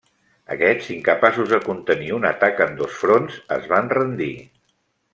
Aquests, incapaços de contenir un atac en dos fronts, es van rendir.